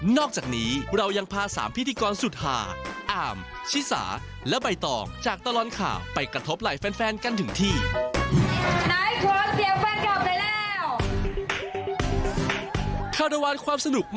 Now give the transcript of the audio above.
นอกจากนี้เรายังพา๓พิธีกรสุดห่า